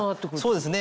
そうですね。